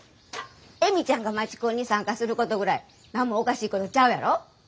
恵美ちゃんが街コンに参加することぐらいなんもおかしいことちゃうやろ？